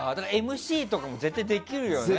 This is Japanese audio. ＭＣとかも絶対にできるよね。